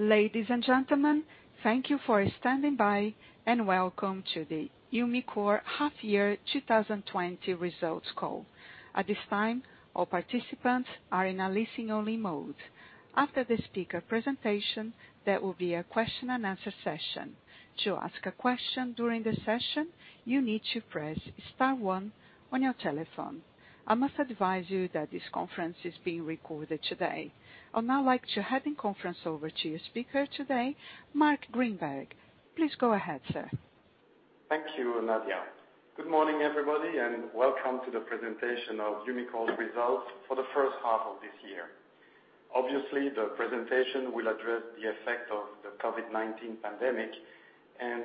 Ladies and gentlemen, thank you for standing by, and welcome to the Umicore Half Year 2020 Results Call. At this time, all participants are in a listen-only mode. After the speaker presentation, there will be a question-and-answer session. To ask a question during the session, you need to press star one on your telephone. I must advise you that this conference is being recorded today. I would now like to hand the conference over to your speaker today, Marc Grynberg. Please go ahead, sir. Thank you, Nadia. Good morning, everybody, welcome to the presentation of Umicore's results for the first half of this year. Obviously, the presentation will address the effect of the COVID-19 pandemic.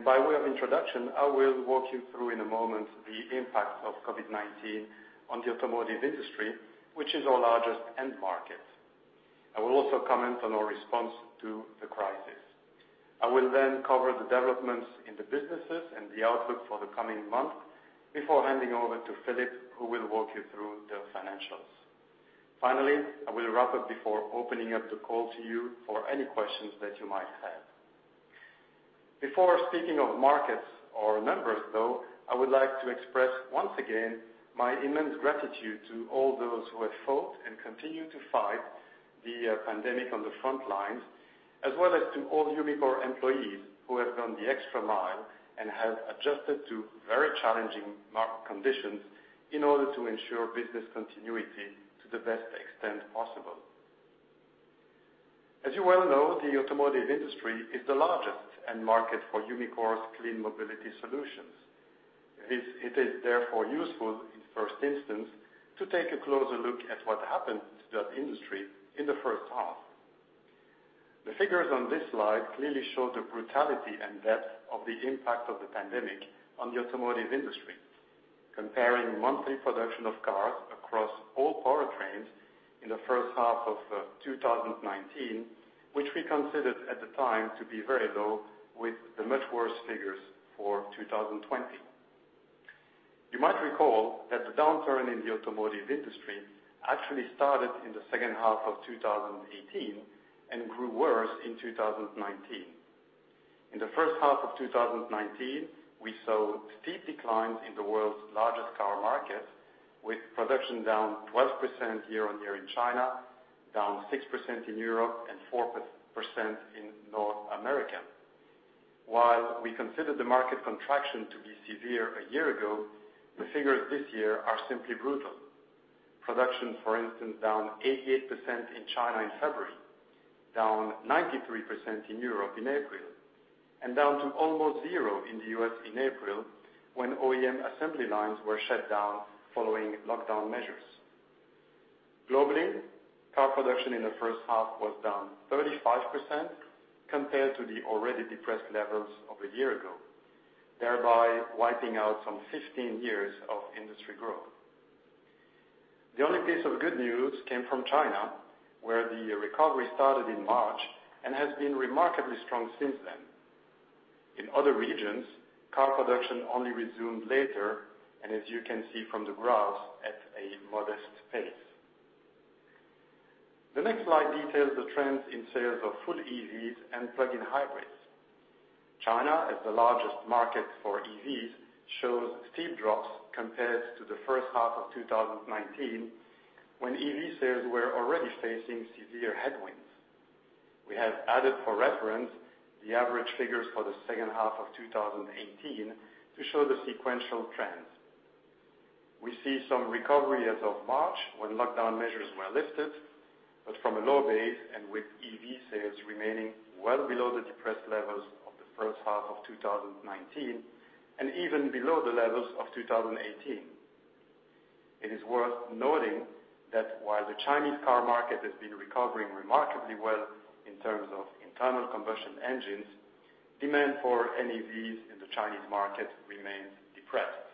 By way of introduction, I will walk you through in a moment the impact of COVID-19 on the automotive industry, which is our largest end market. I will also comment on our response to the crisis. I will cover the developments in the businesses and the outlook for the coming month before handing over to Filip, who will walk you through the financials. Finally, I will wrap up before opening up the call to you for any questions that you might have. Before speaking of markets or numbers, though, I would like to express, once again, my immense gratitude to all those who have fought and continue to fight the pandemic on the front lines, as well as to all Umicore employees who have gone the extra mile and have adjusted to very challenging market conditions in order to ensure business continuity to the best extent possible. As you well know, the automotive industry is the largest end market for Umicore's clean mobility solutions. It is therefore useful in the first instance to take a closer look at what happened to that industry in the first half. The figures on this slide clearly show the brutality and depth of the impact of the pandemic on the automotive industry. Comparing monthly production of cars across all powertrains in the first half of 2019, which we considered at the time to be very low, with the much worse figures for 2020. You might recall that the downturn in the automotive industry actually started in the second half of 2018 and grew worse in 2019. In the first half of 2019, we saw steep declines in the world's largest car market, with production down 12% year-on-year in China, down 6% in Europe, and 4% in North America. While we considered the market contraction to be severe a year ago, the figures this year are simply brutal. Production, for instance, down 88% in China in February, down 93% in Europe in April, and down to almost zero in the U.S. in April when OEM assembly lines were shut down following lockdown measures. Globally, car production in the first half was down 35% compared to the already depressed levels of a year ago, thereby wiping out some 15 years of industry growth. The only piece of good news came from China, where the recovery started in March and has been remarkably strong since then. In other regions, car production only resumed later, and as you can see from the graphs, at a modest pace. The next slide details the trends in sales of full EVs and plug-in hybrids. China, as the largest market for EVs, shows steep drops compared to the first half of 2019 when EV sales were already facing severe headwinds. We have added for reference the average figures for the second half of 2018 to show the sequential trends. We see some recovery as of March, when lockdown measures were lifted, but from a low base and with EV sales remaining well below the depressed levels of the first half of 2019 and even below the levels of 2018. It is worth noting that while the Chinese car market has been recovering remarkably well in terms of internal combustion engines, demand for NEVs in the Chinese market remains depressed.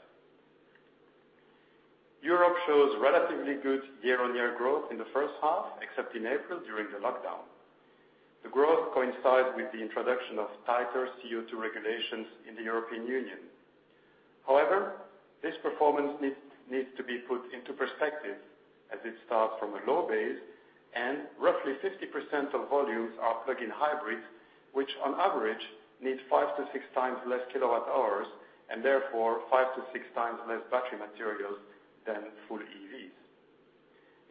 Europe shows relatively good year-on-year growth in the first half, except in April during the lockdown. The growth coincides with the introduction of tighter CO2 regulations in the European Union. However, this performance needs to be put into perspective as it starts from a low base and roughly 50% of volumes are plug-in hybrids, which on average need five to six times less kilowatt hours and therefore five to six times less battery materials than full EVs.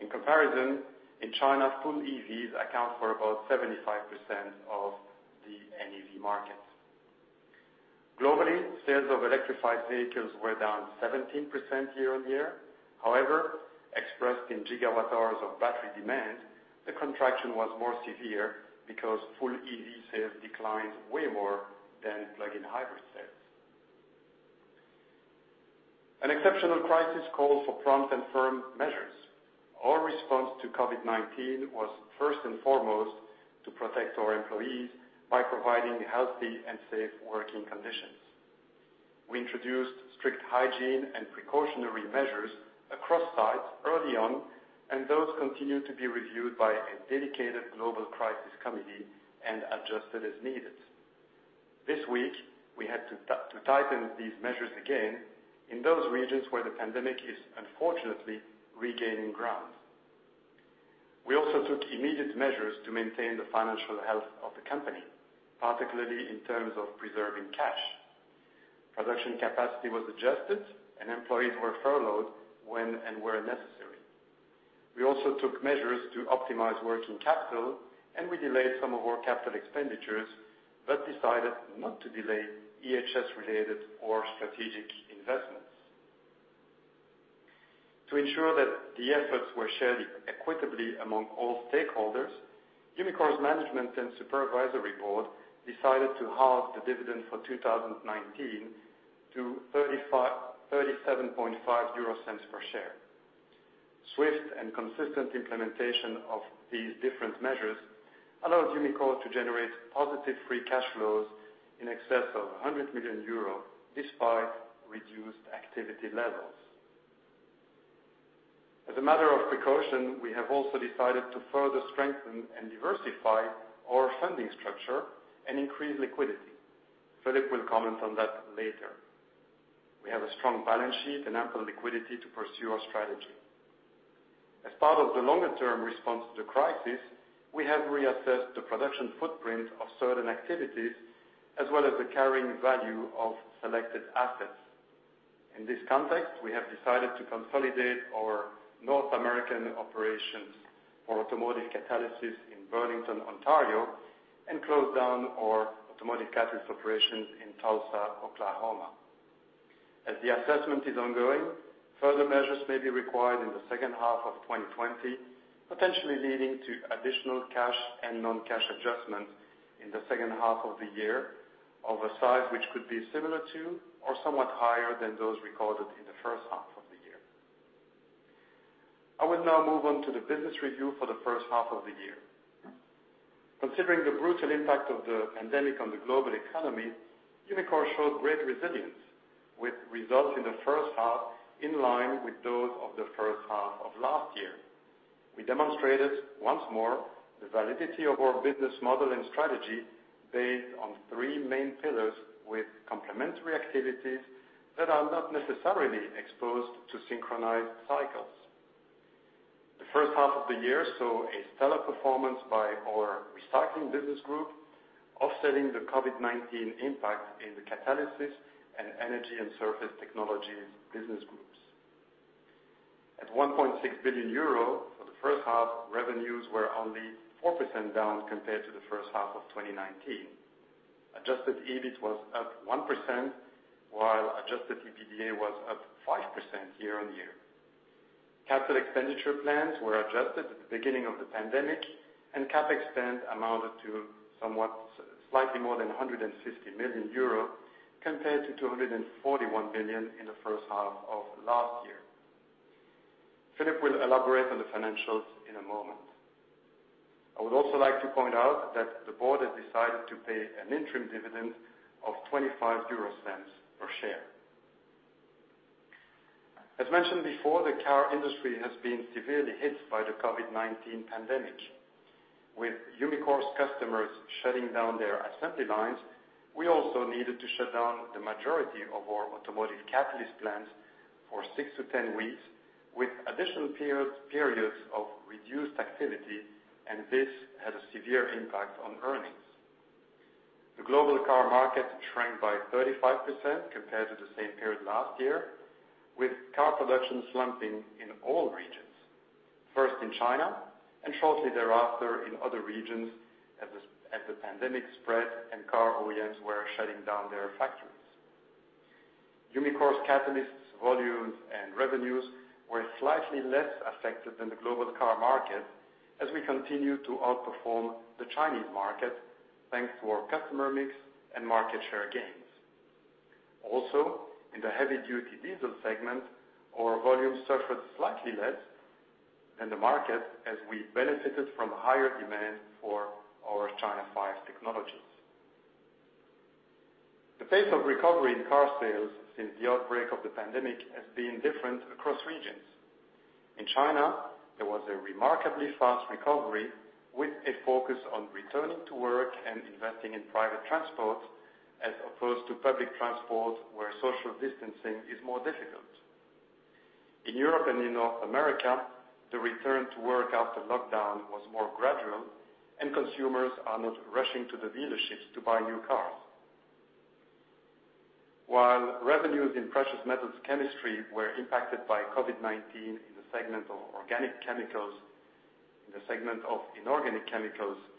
In comparison, in China, full EVs account for about 75% of the NEV market. Globally, sales of electrified vehicles were down 17% year-on-year. However, expressed in gigawatt hours of battery demand, the contraction was more severe because full EV sales declined way more than plug-in hybrid sales. An exceptional crisis calls for prompt and firm measures. Our response to COVID-19 was first and foremost to protect our employees by providing healthy and safe working conditions. We introduced strict hygiene and precautionary measures across sites early on, and those continue to be reviewed by a dedicated global crisis committee and adjusted as needed. This week, we had to tighten these measures again in those regions where the pandemic is unfortunately regaining ground. We also took immediate measures to maintain the financial health of the company, particularly in terms of preserving cash. Production capacity was adjusted, and employees were furloughed when and where necessary. We also took measures to optimize working capital, and we delayed some of our capital expenditures, but decided not to delay EHS related or strategic investments. To ensure that the efforts were shared equitably among all stakeholders, Umicore's management and supervisory board decided to halve the dividend for 2019 to 0.375 per share. Swift and consistent implementation of these different measures allowed Umicore to generate positive free cash flows in excess of 100 million euros despite reduced activity levels. As a matter of precaution, we have also decided to further strengthen and diversify our funding structure and increase liquidity. Filip will comment on that later. We have a strong balance sheet and ample liquidity to pursue our strategy. As part of the longer-term response to the crisis, we have reassessed the production footprint of certain activities, as well as the carrying value of selected assets. In this context, we have decided to consolidate our North American operations for automotive Catalysis in Burlington, Ontario, and close down our automotive catalyst operations in Tulsa, Oklahoma. As the assessment is ongoing, further measures may be required in the second half of 2020, potentially leading to additional cash and non-cash adjustments in the second half of the year of a size which could be similar to or somewhat higher than those recorded in the first half of the year. I will now move on to the business review for the first half of the year. Considering the brutal impact of the pandemic on the global economy, Umicore showed great resilience with results in the first half in line with those of the first half of last year. We demonstrated once more the validity of our business model and strategy based on three main pillars with complementary activities that are not necessarily exposed to synchronized cycles. The first half of the year saw a stellar performance by our Recycling business group, offsetting the COVID-19 impact in the Catalysis and Energy and Surface Technologies business groups. At 1.6 billion euro for the first half, revenues were only 4% down compared to the first half of 2019. Adjusted EBIT was up 1%, while adjusted EBITDA was up 5% year-on-year. Capital expenditure plans were adjusted at the beginning of the pandemic, and CapEx amounted to somewhat slightly more than 150 million euro compared to 241 million in the first half of last year. Filip will elaborate on the financials in a moment. I would also like to point out that the board has decided to pay an interim dividend of 0.25 per share. As mentioned before, the car industry has been severely hit by the COVID-19 pandemic. With Umicore's customers shutting down their assembly lines, we also needed to shut down the majority of our automotive catalyst plants for 6-10 weeks, with additional periods of reduced activity, and this had a severe impact on earnings. The global car market shrank by 35% compared to the same period last year, with car production slumping in all regions, first in China and shortly thereafter in other regions as the pandemic spread and car OEMs were shutting down their factories. Umicore's catalysts volumes and revenues were slightly less affected than the global car market as we continued to outperform the Chinese market, thanks to our customer mix and market share gains. Also, in the heavy-duty diesel segment, our volumes suffered slightly less than the market as we benefited from higher demand for our China V technologies. The pace of recovery in car sales since the outbreak of the pandemic has been different across regions. In China, there was a remarkably fast recovery with a focus on returning to work and investing in private transport as opposed to public transport, where social distancing is more difficult. In Europe and in North America, the return to work after lockdown was more gradual, and consumers are not rushing to the dealerships to buy new cars. While revenues in Precious Metals Chemistry were impacted by COVID-19 in the segment of inorganic chemicals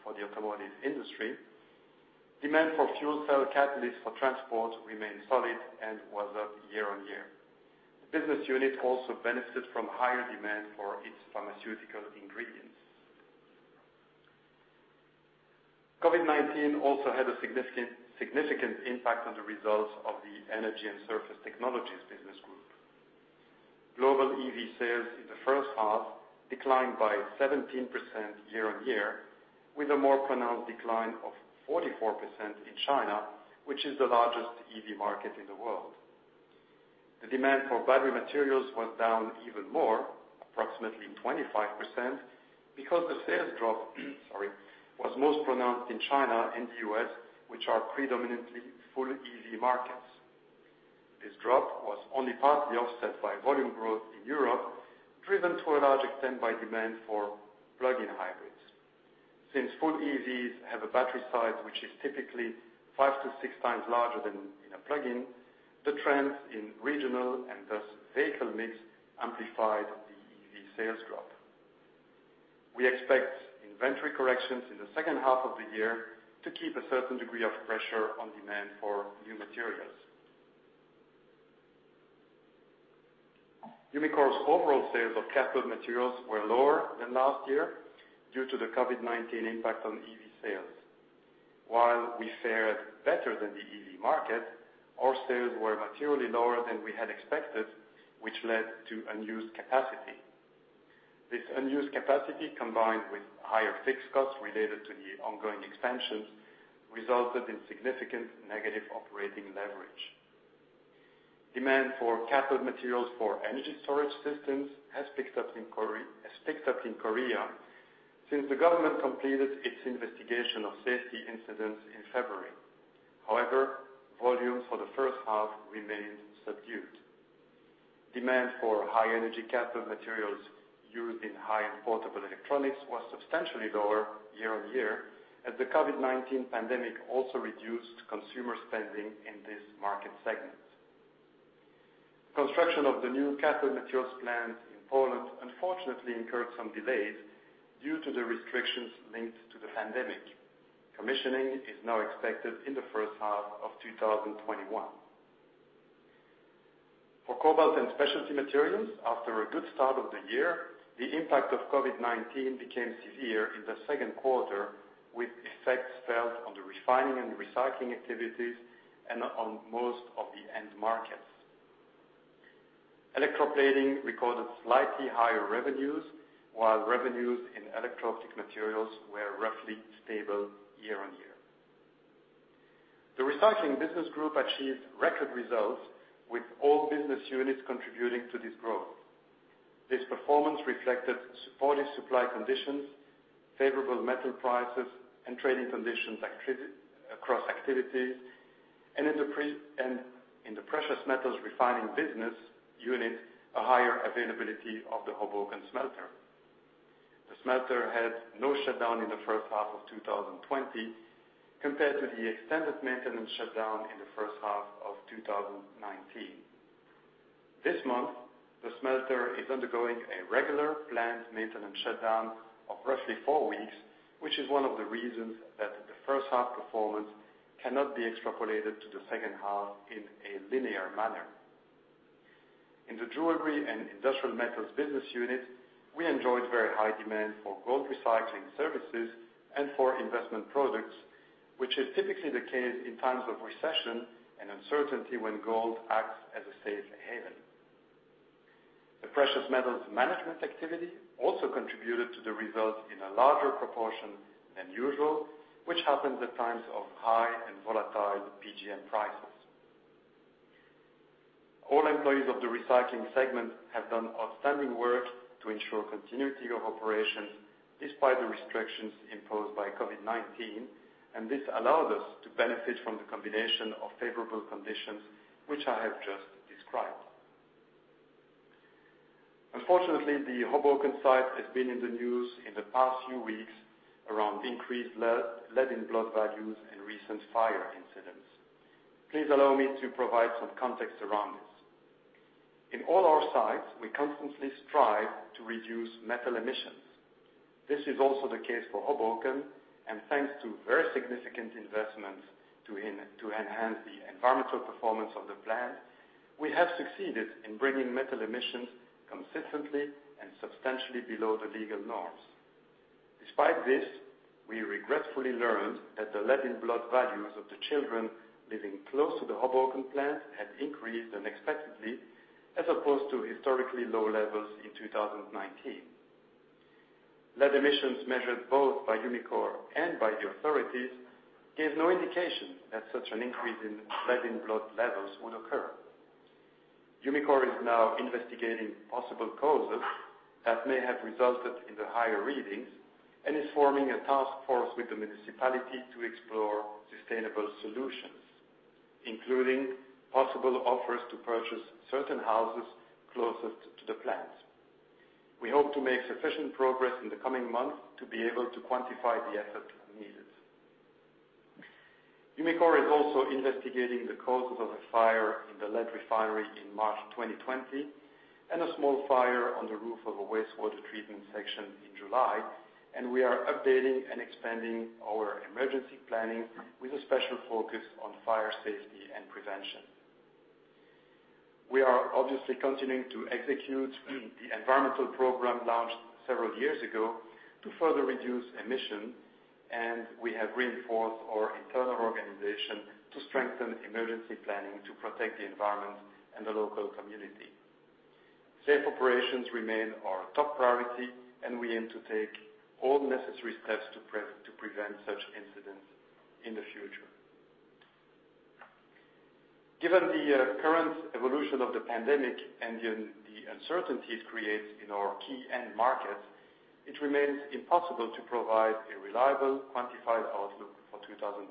for the automotive industry, demand for fuel cell catalysts for transport remained solid and was up year-on-year. The business unit also benefits from higher demand for its pharmaceutical ingredients. COVID-19 also had a significant impact on the results of the Energy & Surface Technologies business group. Global EV sales in the first half declined by 17% year-on-year, with a more pronounced decline of 44% in China, which is the largest EV market in the world. The demand for battery materials was down even more, approximately 25%, because the sales drop was most pronounced in China and the U.S., which are predominantly full EV markets. This drop was only partly offset by volume growth in Europe, driven to a large extent by demand for plug-in hybrids. Since full EVs have a battery size, which is typically five to six times larger than in a plug-in, the trends in regional and thus vehicle mix amplified the EV sales drop. We expect inventory corrections in the second half of the year to keep a certain degree of pressure on demand for new materials. Umicore's overall sales of cathode materials were lower than last year due to the COVID-19 impact on EV sales. While we fared better than the EV market, our sales were materially lower than we had expected, which led to unused capacity. This unused capacity, combined with higher fixed costs related to the ongoing expansions, resulted in significant negative operating leverage. Demand for cathode materials for energy storage systems has picked up in Korea since the government completed its investigation of safety incidents in February. However, volumes for the first half remained subdued. Demand for high energy cathode materials used in high-end portable electronics was substantially lower year-on-year, as the COVID-19 pandemic also reduced consumer spending in this market segment. Construction of the new cathode materials plant in Poland unfortunately incurred some delays due to the restrictions linked to the pandemic. Commissioning is now expected in the first half of 2021. For Cobalt & Specialty Materials, after a good start of the year, the impact of COVID-19 became severe in the second quarter, with effects felt on the refining and recycling activities and on most of the end markets. Electroplating recorded slightly higher revenues, while revenues in Electro-Optic Materials were roughly stable year-on-year. The Recycling business group achieved record results with all business units contributing to this growth. This performance reflected supportive supply conditions, favorable metal prices, and trading conditions across activities, and in the Precious Metals Refining business unit, a higher availability of the Hoboken smelter. The smelter had no shutdown in the first half of 2020 compared to the extended maintenance shutdown in the first half of 2019. This month, the smelter is undergoing a regular planned maintenance shutdown of roughly four weeks, which is one of the reasons that the first half performance cannot be extrapolated to the second half in a linear manner. In the Jewelry & Industrial Metals business unit, we enjoyed very high demand for gold recycling services and for investment products, which is typically the case in times of recession and uncertainty when gold acts as a safe haven. The Precious Metals Management activity also contributed to the results in a larger proportion than usual, which happens at times of high and volatile PGM prices. All employees of the Recycling segment have done outstanding work to ensure continuity of operations despite the restrictions imposed by COVID-19, and this allowed us to benefit from the combination of favorable conditions, which I have just described. Unfortunately, the Hoboken site has been in the news in the past few weeks around increased lead in blood values and recent fire incidents. Please allow me to provide some context around this. In all our sites, we constantly strive to reduce metal emissions. This is also the case for Hoboken, and thanks to very significant investments to enhance the environmental performance of the plant, we have succeeded in bringing metal emissions consistently and substantially below the legal norms. Despite this, we regretfully learned that the lead in blood values of the children living close to the Hoboken plant had increased unexpectedly as opposed to historically low levels in 2019. Lead emissions measured both by Umicore and by the authorities gave no indication that such an increase in lead in blood levels would occur. Umicore is now investigating possible causes that may have resulted in the higher readings and is forming a task force with the municipality to explore sustainable solutions, including possible offers to purchase certain houses closest to the plant. We hope to make sufficient progress in the coming months to be able to quantify the effort needed. Umicore is also investigating the causes of the fire in the lead refinery in March 2020 and a small fire on the roof of a wastewater treatment section in July. We are updating and expanding our emergency planning with a special focus on fire safety and prevention. We are obviously continuing to execute the environmental program launched several years ago to further reduce emissions. We have reinforced our internal organization to strengthen emergency planning to protect the environment and the local community. Safe operations remain our top priority. We aim to take all necessary steps to prevent such incidents in the future. Given the current evolution of the pandemic and the uncertainties it creates in our key end markets, it remains impossible to provide a reliable, quantified outlook for 2020.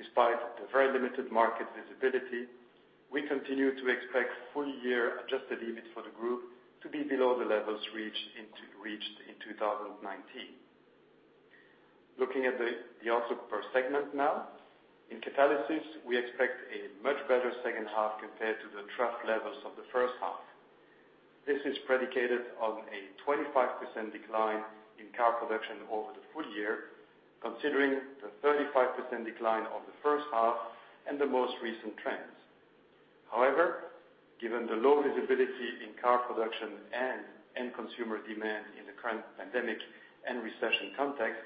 Despite the very limited market visibility, we continue to expect full year adjusted EBIT for the group to be below the levels reached in 2019. Looking at the outlook per segment now. In Catalysis, we expect a much better second half compared to the trough levels of the first half. This is predicated on a 25% decline in car production over the full year, considering the 35% decline of the first half and the most recent trends. However, given the low visibility in car production and end consumer demand in the current pandemic and recession context,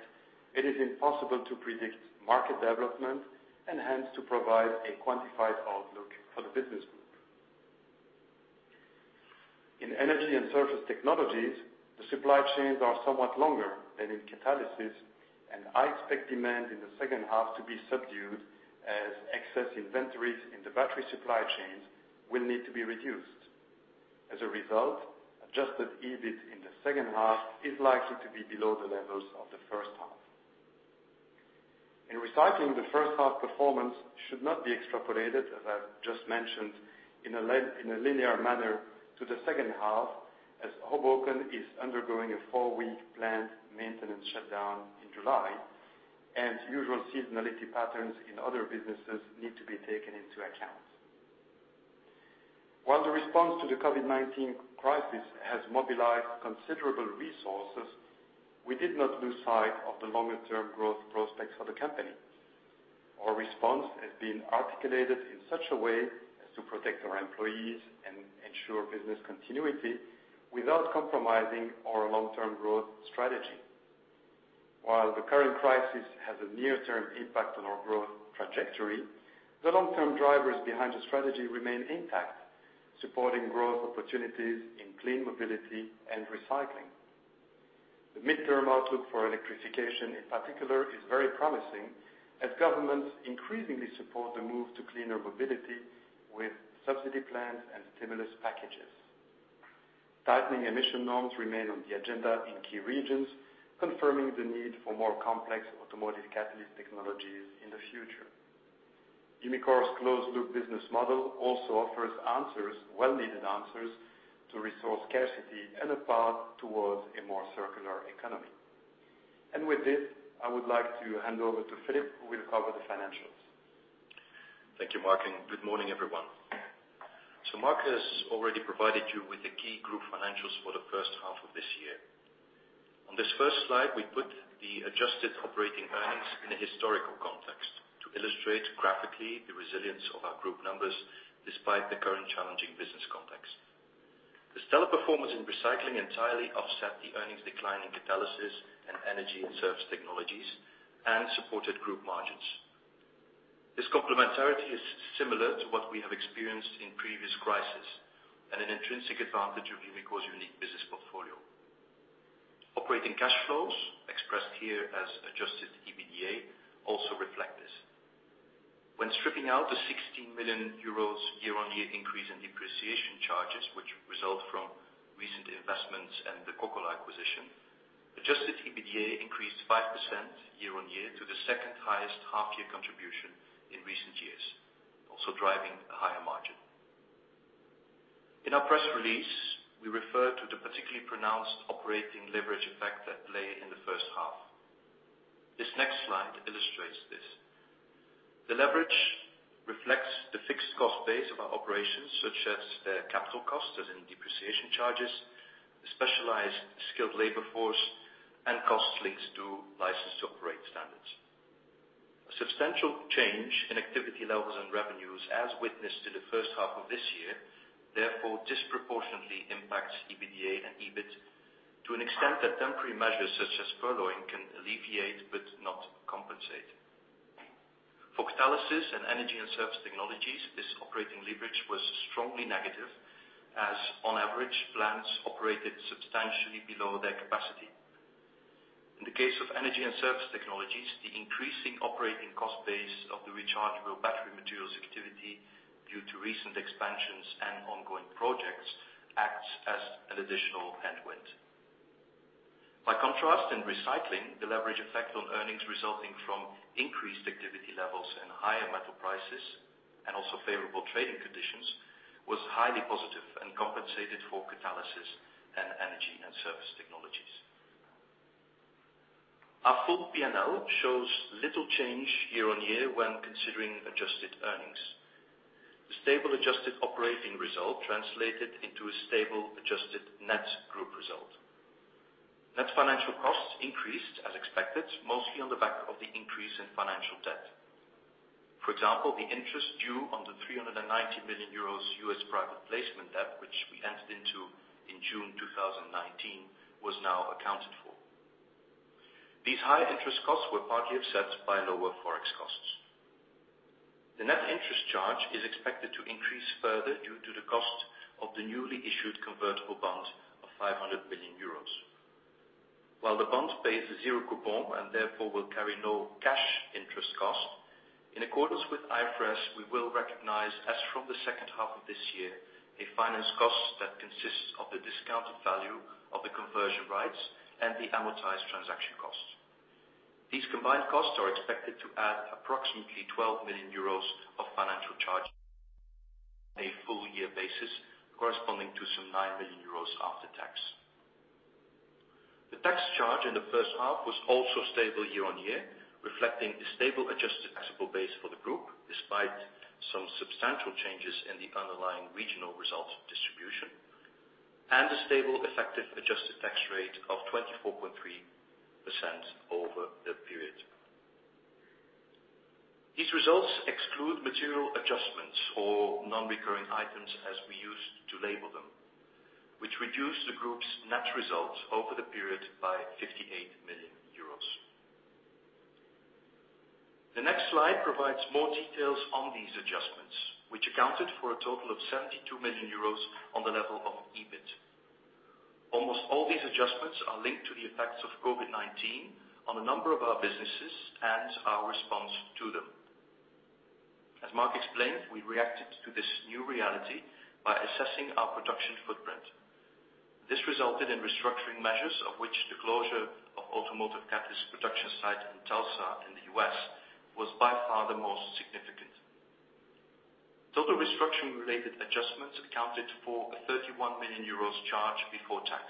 it is impossible to predict market development and hence to provide a quantified outlook for the business group. In Energy & Surface Technologies, the supply chains are somewhat longer than in Catalysis, and I expect demand in the second half to be subdued as excess inventories in the battery supply chains will need to be reduced. As a result, adjusted EBIT in the second half is likely to be below the levels of the first half. In Recycling, the first half performance should not be extrapolated, as I've just mentioned, in a linear manner to the second half, as Hoboken is undergoing a four-week plant maintenance shutdown in July, and usual seasonality patterns in other businesses need to be taken into account. While the response to the COVID-19 crisis has mobilized considerable resources, we did not lose sight of the longer-term growth prospects for the company. Our response has been articulated in such a way as to protect our employees and ensure business continuity without compromising our long-term growth strategy. While the current crisis has a near-term impact on our growth trajectory, the long-term drivers behind the strategy remain intact, supporting growth opportunities in clean mobility and recycling. The midterm outlook for electrification, in particular, is very promising as governments increasingly support the move to cleaner mobility with subsidy plans and stimulus packages. Tightening emission norms remain on the agenda in key regions, confirming the need for more complex automotive catalyst technologies in the future. Umicore's closed-loop business model also offers well-needed answers to resource scarcity and a path towards a more circular economy. With this, I would like to hand over to Filip who will cover the financials. Thank you, Marc, and good morning, everyone. Marc has already provided you with the key group financials for the first half of this year. On this first slide, we put the adjusted operating earnings in a historical context to illustrate graphically the resilience of our group numbers despite the current challenging business context. The stellar performance in Recycling entirely offset the earnings decline in Catalysis and Energy & Surface Technologies and supported group margins. This complementarity is similar to what we have experienced in previous crisis and an intrinsic advantage of Umicore's unique business portfolio. Operating cash flows, expressed here as adjusted EBITDA, also reflect this. When stripping out the 16 million euros year-on-year increase in depreciation charges, which result from recent investments and the Kokkola acquisition, adjusted EBITDA increased 5% year-on-year to the second highest half year contribution in recent years, also driving a higher margin. In our press release, we refer to the particularly pronounced operating leverage effect at play in the first half. This next slide illustrates this. The leverage reflects the fixed cost base of our operations, such as capital costs, as in depreciation charges, specialized skilled labor force, and costs linked to license to operate standards. A substantial change in activity levels and revenues, as witnessed to the first half of this year, therefore disproportionately impacts EBITDA and EBIT to an extent that temporary measures such as furloughing can alleviate but not compensate. For Catalysis and Energy & Surface Technologies, this operating leverage was strongly negative, as on average, plants operated substantially below their capacity. In the case of Energy & Surface Technologies, the increasing operating cost base of the Rechargeable Battery Materials activity due to recent expansions and ongoing projects acts as an additional headwind. By contrast, in Recycling, the leverage effect on earnings resulting from increased activity levels and higher metal prices, and also favorable trading conditions, was highly positive and compensated for Catalysis and Energy & Surface Technologies. Our full P&L shows little change year-on-year when considering adjusted earnings. The stable adjusted operating result translated into a stable adjusted net group result. Net financial costs increased as expected, mostly on the back of the increase in financial debt. For example, the interest due on the 390 million euros U.S. private placement debt. These high interest costs were partly offset by lower Forex costs. The net interest charge is expected to increase further due to the cost of the newly issued convertible bond of 500 million euros. While the bond pays zero coupon and therefore will carry no cash interest cost, in accordance with IFRS, we will recognize as from the second half of this year, a finance cost that consists of the discounted value of the conversion rights and the amortized transaction costs. These combined costs are expected to add approximately 12 million euros of financial charge on a full year basis, corresponding to some 9 million euros after tax. The tax charge in the first half was also stable year-over-year, reflecting a stable adjusted taxable base for the group, despite some substantial changes in the underlying regional results of distribution, and a stable effective adjusted tax rate of 24.3% over the period. These results exclude material adjustments or non-recurring items as we used to label them, which reduced the group's net results over the period by 58 million euros. The next slide provides more details on these adjustments, which accounted for a total of 72 million euros on the level of EBIT. Almost all these adjustments are linked to the effects of COVID-19 on a number of our businesses and our response to them. As Marc explained, we reacted to this new reality by assessing our production footprint. This resulted in restructuring measures, of which the closure of automotive catalyst production site in Tulsa in the U.S. was by far the most significant. Total restructuring related adjustments accounted for a 31 million euros charge before tax.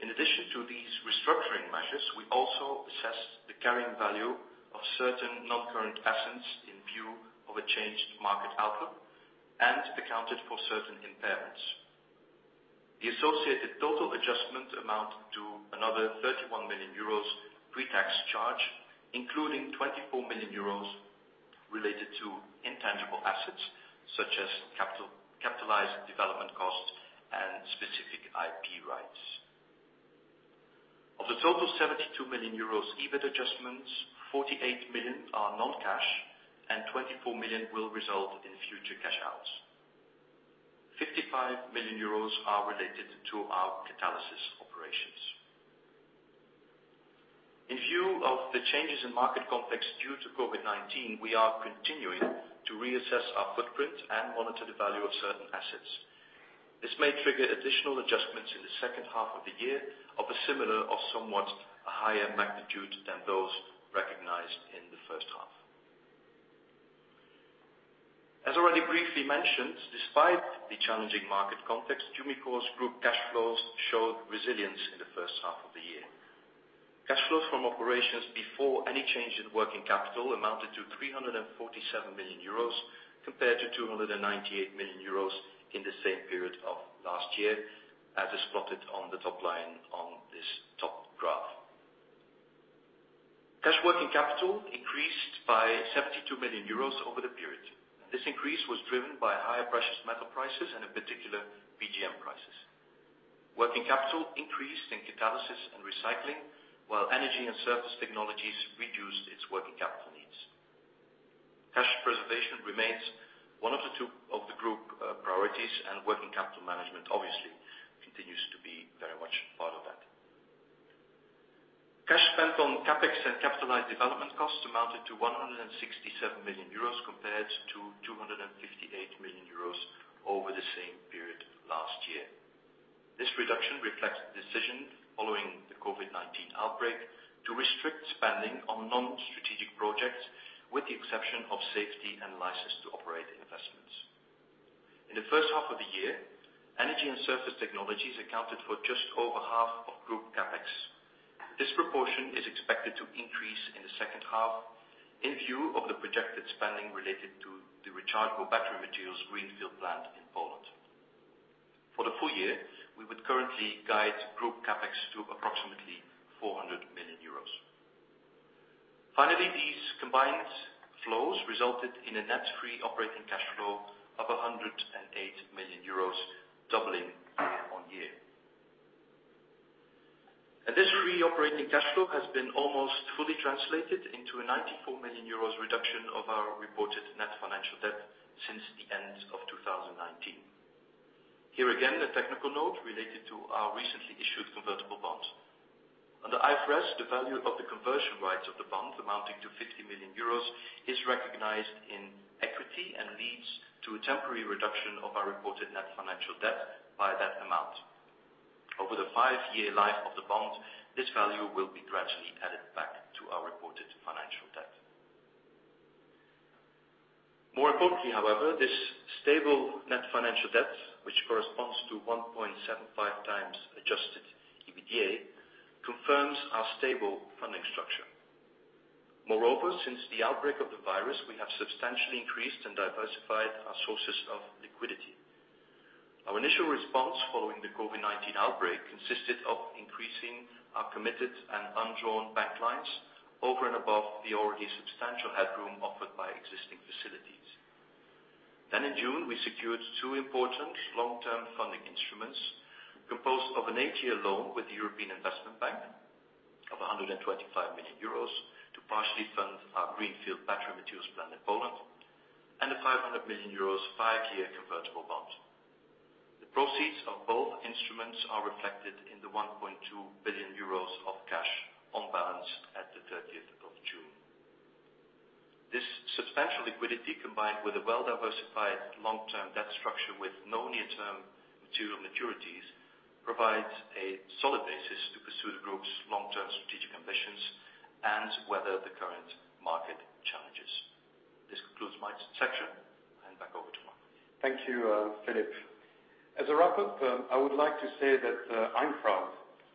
In addition to these restructuring measures, we also assessed the carrying value of certain non-current assets in view of a changed market outlook and accounted for certain impairments. The associated total adjustment amount to another 31 million euros pre-tax charge, including 24 million euros related to intangible assets such as capitalized development costs and specific IP rights. Of the total 72 million euros EBIT adjustments, 48 million are non-cash and 24 million will result in future cash outs. 55 million euros are related to our Catalysis operations. In view of the changes in market context due to COVID-19, we are continuing to reassess our footprint and monitor the value of certain assets. This may trigger additional adjustments in the second half of the year of a similar or somewhat higher magnitude than those recognized in the first half. As already briefly mentioned, despite the challenging market context, Umicore's group cash flows showed resilience in the first half of the year. Cash flows from operations before any change in working capital amounted to 347 million euros compared to 298 million euros in the same period of last year, as is plotted on the top line on this top graph. Cash working capital increased by 72 million euros over the period. This increase was driven by higher precious metal prices and in particular, PGM prices. Working capital increased in Catalysis and Recycling, while Energy & Surface Technologies reduced its working capital needs. Cash preservation remains one of the two group priorities, and working capital management obviously continues to be very much part of that. Cash spent on CapEx and capitalized development costs amounted to 167 million euros compared to 258 million euros over the same period last year. This reduction reflects the decision following the COVID-19 outbreak to restrict spending on non-strategic projects with the exception of safety and license to operate investments. In the first half of the year, Energy & Surface Technologies accounted for just over half of group CapEx. This proportion is expected to increase in the second half in view of the projected spending related to the Rechargeable Battery Materials greenfield plant in Poland. For the full year, we would currently guide group CapEx to approximately 400 million euros. These combined flows resulted in a net free operating cash flow of 108 million euros, doubling year on year. This free operating cash flow has been almost fully translated into a 94 million euros reduction of our reported net financial debt since the end of 2019. Here again, a technical note related to our recently issued convertible bonds. Under IFRS, the value of the conversion rights of the bond amounting to 50 million euros is recognized in equity and leads to a temporary reduction of our reported net financial debt by that amount. Over the five-year life of the bond, this value will be gradually added back to our reported financial debt. More importantly, however, this stable net financial debt, which corresponds to 1.75 times adjusted EBITDA, confirms our stable funding structure. Moreover, since the outbreak of the virus, we have substantially increased and diversified our sources of liquidity. Our initial response following the COVID-19 outbreak consisted of increasing our committed and undrawn bank lines over and above the already substantial headroom offered by existing facilities. In June, we secured two important long-term funding instruments composed of an eight-year loan with the European Investment Bank of 125 million euros to partially fund our greenfield battery materials plant in Poland, and a 500 million euros five-year convertible bond. The proceeds of both instruments are reflected in the 1.2 billion euros of cash on balance at the 30th of June. This substantial liquidity, combined with a well-diversified long-term debt structure with no near-term material maturities, provides a solid basis to pursue the group's long-term strategic ambitions and weather the current market challenges. This concludes my section, hand back over to Marc. Thank you, Filip. As a wrap-up, I would like to say that I'm proud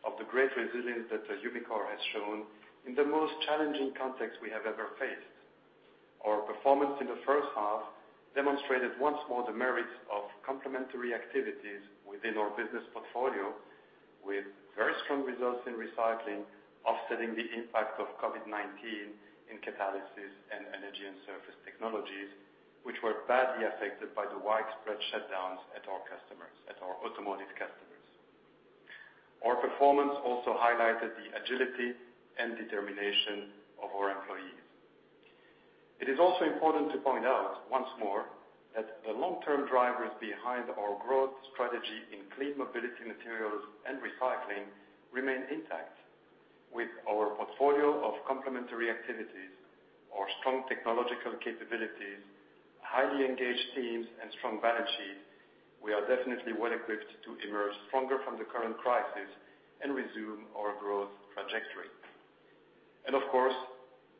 of the great resilience that Umicore has shown in the most challenging context we have ever faced. Our performance in the first half demonstrated once more the merits of complementary activities within our business portfolio, with very strong results in Recycling, offsetting the impact of COVID-19 in Catalysis and Energy & Surface Technologies, which were badly affected by the widespread shutdowns at our automotive customers. Our performance also highlighted the agility and determination of our employees. It is also important to point out, once more, that the long-term drivers behind our growth strategy in clean mobility materials and Recycling remain intact. With our portfolio of complementary activities, our strong technological capabilities, highly engaged teams, and strong balance sheet, we are definitely well equipped to emerge stronger from the current crisis and resume our growth trajectory. Of course,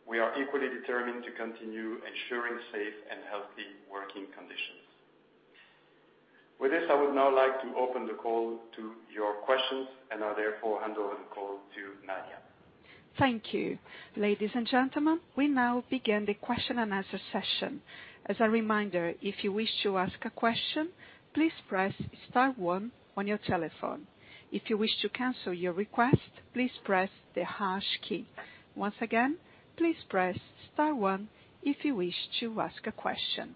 we are equally determined to continue ensuring safe and healthy working conditions. With this, I would now like to open the call to your questions and now therefore hand over the call to Nadia. Thank you. Ladies and gentlemen, we now begin the question-and-answer session. As a reminder, if you wish to ask a question, please press star one on your telephone. If you wish to cancel your request, please press the hash key. Once again, please press star one if you wish to ask a question.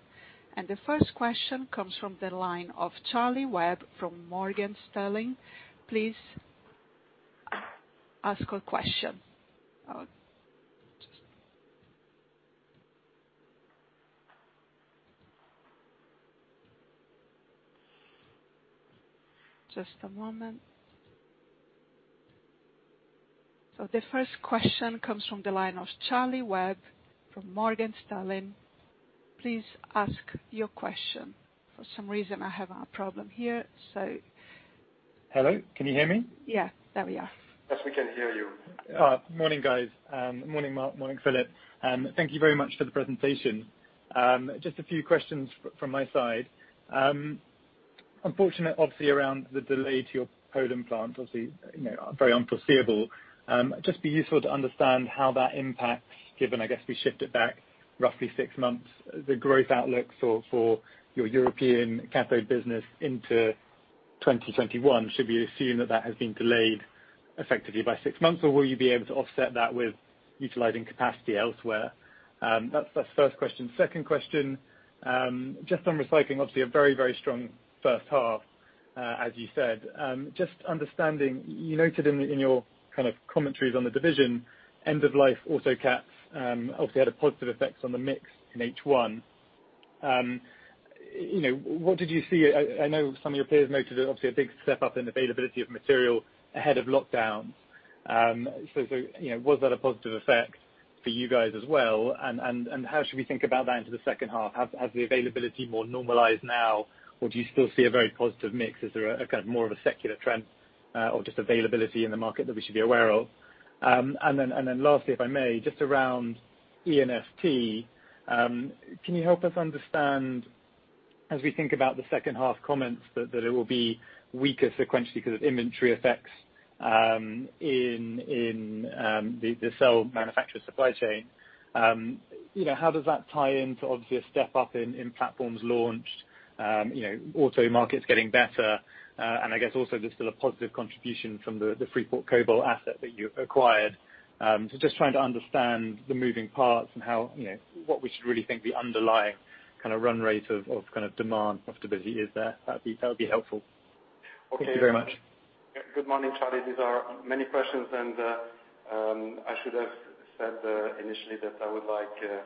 The first question comes from the line of Charlie Webb from Morgan Stanley. Please ask your question. Just a moment. The first question comes from the line of Charlie Webb from Morgan Stanley. Please ask your question. For some reason, I have a problem here. Hello, can you hear me? Yeah, there we are. Yes, we can hear you. Morning, guys. Morning, Marc. Morning, Filip. Thank you very much for the presentation. Just a few questions from my side. Unfortunately, obviously around the delay to your Poland plant, obviously very unforeseeable. Just be useful to understand how that impacts, given, I guess we shift it back roughly six months, the growth outlook for your European cathode business into 2021. Should we assume that that has been delayed effectively by six months, or will you be able to offset that with utilizing capacity elsewhere? That's the first question. Second question, just on Recycling, obviously a very strong first half, as you said. Just understanding, you noted in your commentaries on the division, end-of-life auto cats obviously had a positive effect on the mix in H1. What did you see? I know some of your peers noted, obviously, a big step up in availability of material ahead of lockdowns. Was that a positive effect for you guys as well, and how should we think about that into the second half? Has the availability more normalized now, or do you still see a very positive mix? Is there a more of a secular trend or just availability in the market that we should be aware of? Lastly, if I may, just around E&ST, can you help us understand, as we think about the second half comments, that it will be weaker sequentially because of inventory effects in the cell manufacturer supply chain. How does that tie into, obviously, a step up in platforms launched, auto markets getting better, and I guess also there's still a positive contribution from the Freeport Cobalt asset that you acquired. Just trying to understand the moving parts and what we should really think the underlying run rate of demand of the business is there. That would be helpful. Thank you very much. Good morning, Charlie. These are many questions. I should have said initially that I would like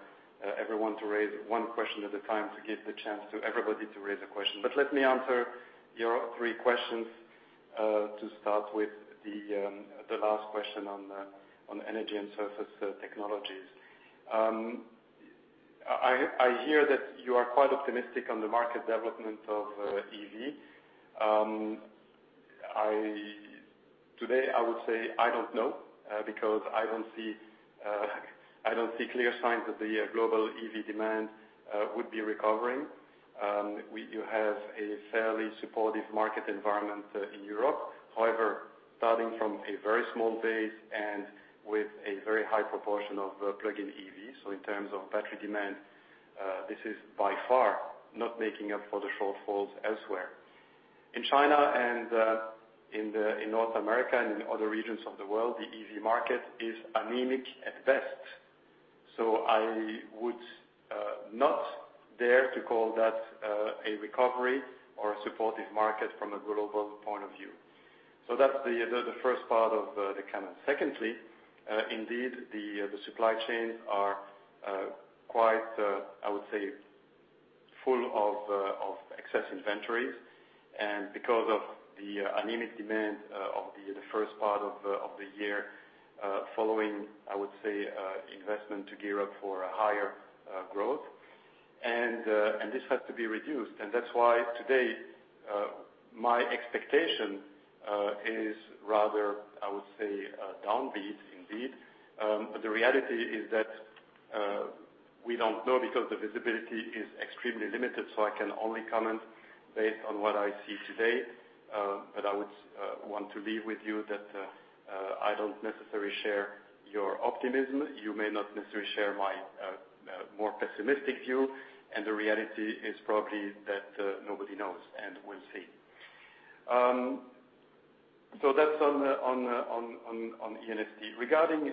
everyone to raise one question at a time to give the chance to everybody to raise a question. Let me answer your three questions. To start with the last question on Energy & Surface Technologies. I hear that you are quite optimistic on the market development of EV. Today, I would say I don't know, because I don't see clear signs that the global EV demand would be recovering. You have a fairly supportive market environment in Europe. However, starting from a very small base and with a very high proportion of plug-in EVs, in terms of battery demand, this is by far not making up for the shortfalls elsewhere. In China and in North America and in other regions of the world, the EV market is anemic at best. I would not dare to call that a recovery or a supportive market from a global point of view. That's the first part of the comment. Secondly, indeed, the supply chains are quite, I would say, full of excess inventories, and because of the anemic demand of the first part of the year following, I would say, investment to gear up for a higher growth. This had to be reduced, and that's why today, my expectation is rather, I would say, downbeat indeed. The reality is that we don't know because the visibility is extremely limited, so I can only comment based on what I see today. I would want to leave with you that I don't necessarily share your optimism. You may not necessarily share my more pessimistic view, and the reality is probably that nobody knows, and we'll see. That's on E&ST. Regarding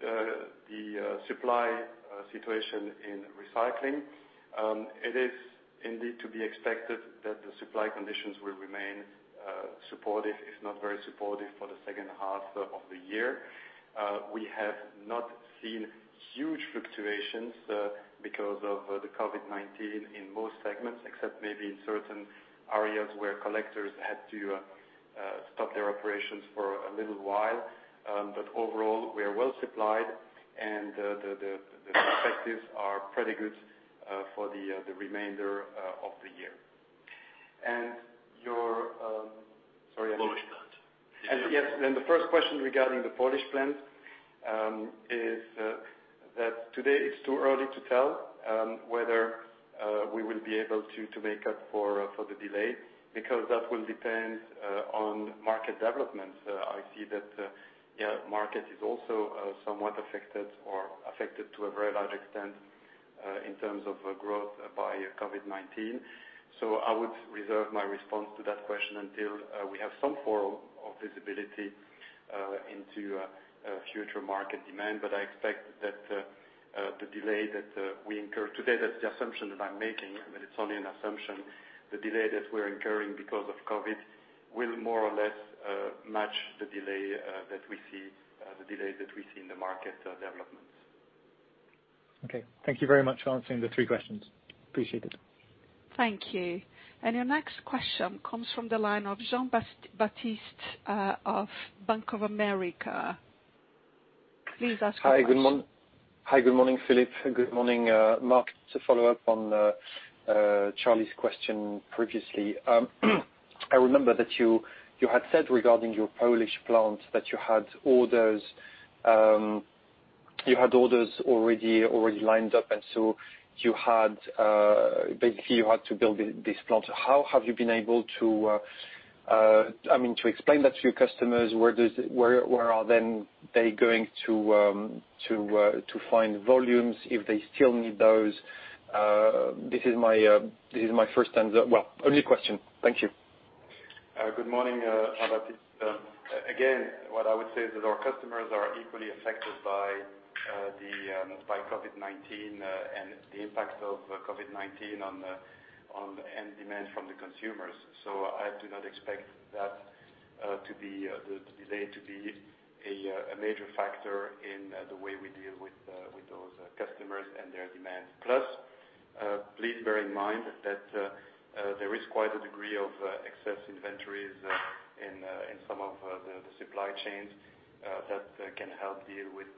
the supply situation in recycling, it is indeed to be expected that the supply conditions will remain supportive, if not very supportive, for the second half of the year. We have not seen huge fluctuations because of the COVID-19 in most segments, except maybe in certain areas where collectors had to stop their operations for a little while. Overall, we are well supplied, and the perspectives are pretty good for the remainder of the year. Sorry. Polish plant. Yes, the first question regarding the Polish plant is that today is too early to tell whether we will be able to make up for the delay because that will depend on market developments. I see that market is also somewhat affected or affected to a very large extent in terms of growth by COVID. I would reserve my response to that question until we have some form of visibility into future market demand. I expect that the delay that we incur today, that's the assumption that I'm making, but it's only an assumption, the delay that we're incurring because of COVID will more or less match the delay that we see in the market developments. Okay. Thank you very much for answering the three questions. Appreciate it. Thank you. Your next question comes from the line of Jean-Baptiste Rolland of Bank of America. Please ask your question. Hi. Good morning, Filip. Good morning, Marc. To follow up on Charlie's question previously. I remember that you had said regarding your Polish plant that you had orders already lined up, and so basically, you had to build this plant. How have you been able to explain that to your customers? Where are then they going to find volumes if they still need those? This is my first and the Well, only question. Thank you. Good morning, Baptiste. What I would say is that our customers are equally affected by COVID-19 and the impact of COVID-19 on end demand from the consumers. I do not expect that the delay to be a major factor in the way we deal with those customers and their demand. Please bear in mind that there is quite a degree of excess inventories in some of the supply chains that can help deal with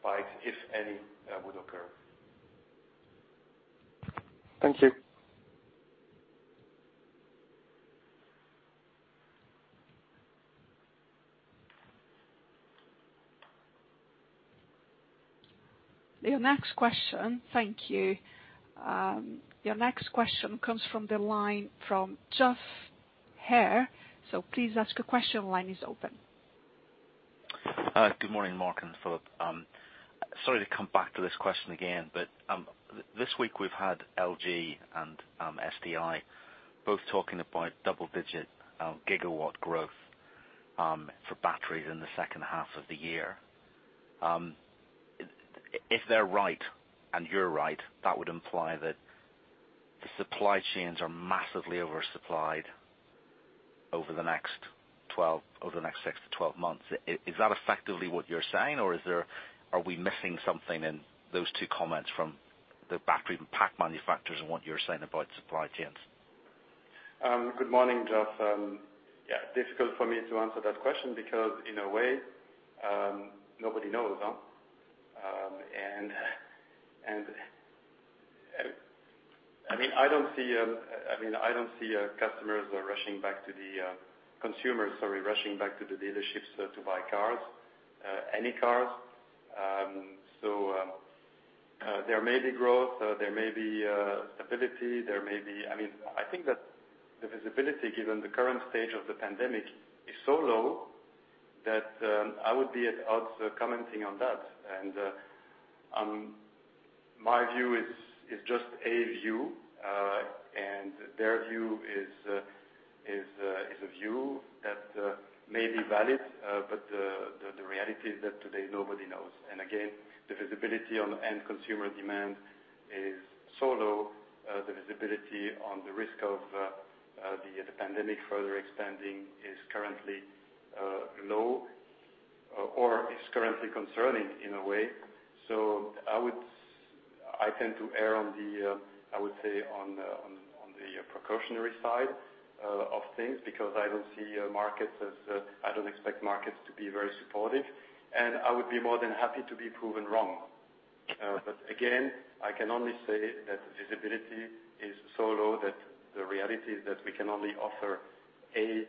spikes, if any would occur. Thank you. Your next question. Thank you. Your next question comes from the line from Geoff Haire. Please ask your question. Line is open. Good morning, Marc and Filip. Sorry to come back to this question again, but this week we've had LG and SDI both talking about double-digit gigawatt growth for batteries in the second half of the year. If they're right, and you're right, that would imply that the supply chains are massively oversupplied over the next 6-12 months. Is that effectively what you're saying, or are we missing something in those two comments from the battery pack manufacturers and what you're saying about supply chains? Good morning, Geoff. Yeah, difficult for me to answer that question because in a way, nobody knows, huh? I don't see customers rushing back to the Consumers, sorry, rushing back to the dealerships to buy cars, any cars. There may be growth, there may be stability. I think that the visibility, given the current stage of the pandemic, is so low that I would be at odds commenting on that. My view is just a view, and their view is a view that may be valid, but the reality is that today, nobody knows. Again, the visibility on end consumer demand is so low, the visibility on the risk of the pandemic further extending is currently low or is currently concerning in a way. I tend to err on, I would say, the precautionary side of things, because I don't expect markets to be very supportive, and I would be more than happy to be proven wrong. Again, I can only say that the visibility is so low that the reality is that we can only offer a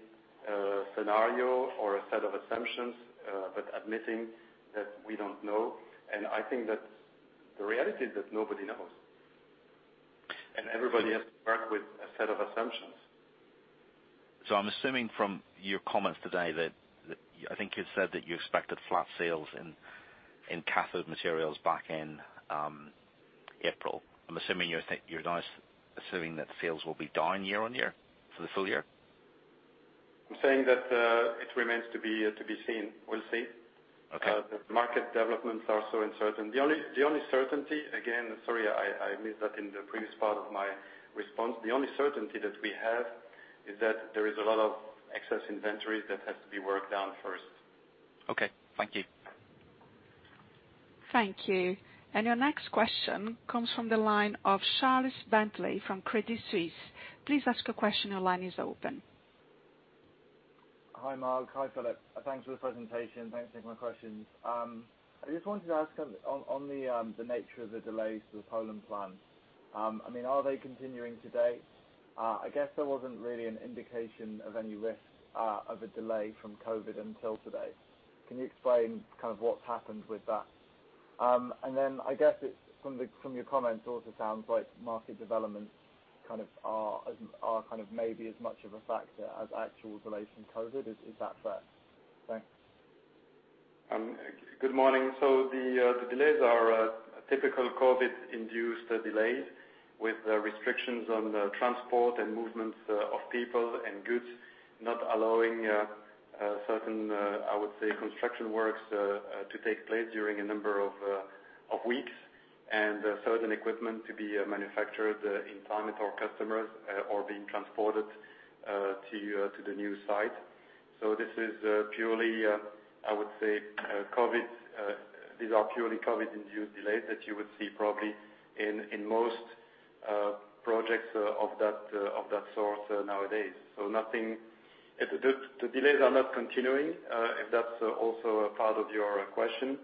scenario or a set of assumptions, but admitting that we don't know. I think that the reality is that nobody knows, and everybody has to work with a set of assumptions. I'm assuming from your comments today that I think you said that you expected flat sales in cathode materials back in April. I'm assuming you're now assuming that sales will be down year-on-year for the full year? I'm saying that it remains to be seen. We'll see. Okay. The market developments are so uncertain. The only certainty, again, sorry, I missed that in the previous part of my response. The only certainty that we have is that there is a lot of excess inventory that has to be worked down first. Okay. Thank you. Thank you. Your next question comes from the line of Charles Bentley from Credit Suisse. Please ask your question. Your line is open. Hi, Marc. Hi, Filip. Thanks for the presentation. Thanks for taking my questions. I just wanted to ask on the nature of the delays to the Poland plant. Are they continuing today? I guess there wasn't really an indication of any risk of a delay from COVID-19 until today. Can you explain kind of what's happened with that? I guess from your comments, also sounds like market developments are maybe as much of a factor as actual delays from COVID-19. Is that fair? Thanks. Good morning. The delays are typical COVID-induced delays with restrictions on the transport and movements of people and goods, not allowing certain, I would say, construction works to take place during a number of weeks, and certain equipment to be manufactured in time with our customers or being transported to the new site. These are purely COVID-induced delays that you would see probably in most projects of that source nowadays. The delays are not continuing, if that's also a part of your question.